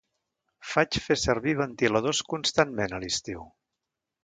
Faig fer servir ventiladors constantment a l'estiu